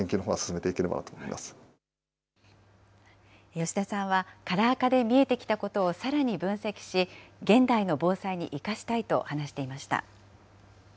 吉田さんはカラー化で見えてきたことをさらに分析し、現代の防災に生かしたいと話していました。